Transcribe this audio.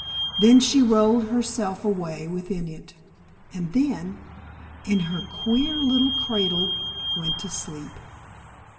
Then she rolled herself away within it, and then, in her queer little cradle, went to sleep.